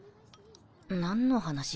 何の話？